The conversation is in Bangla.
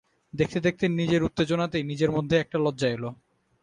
দেখতে দেখতে নিজের উত্তেজনাতেই নিজের মধ্যে একটা লজ্জা এল।